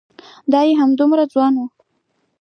دای همدومره ځوان و.